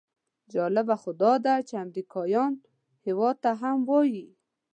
جالبه خو داده چې امریکایان هېواد ته هم وایي.